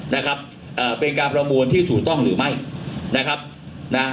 นะครับเอ่อเป็นการประมวลที่ถูกต้องหรือไม่นะครับนะ